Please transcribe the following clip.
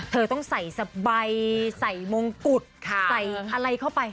เธอต้องใส่สบายใส่มงกุฎใส่อะไรเข้าไป